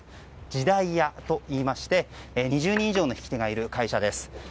時代屋といいまして２０人以上の引き手がいる会社です。